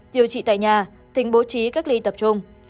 điều trị tại nhà tỉnh bố trí cách ly tập trung